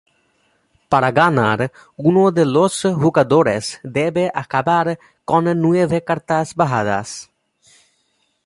Para ganar, uno de los jugadores debe acabar con nueve cartas bajadas.